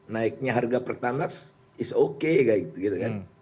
naiknya harga pertamax is okay kayak gitu gitu kan